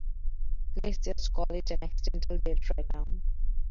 Let's just call it an accidental death right now.